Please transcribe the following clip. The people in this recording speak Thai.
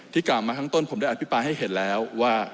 กล่าวมาข้างต้นผมได้อภิปรายให้เห็นแล้วว่า